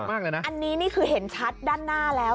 อันนี้นี่คือเห็นชัดด้านหน้าแล้ว